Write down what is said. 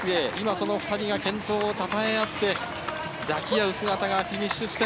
その２人が健闘をたたえあって抱き合う姿がフィニッシュ地点。